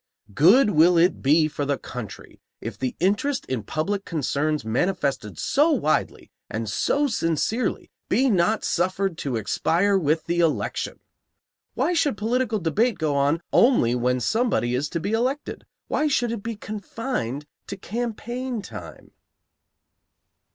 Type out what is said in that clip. Good will it be for the country if the interest in public concerns manifested so widely and so sincerely be not suffered to expire with the election! Why should political debate go on only when somebody is to be elected? Why should it be confined to campaign time?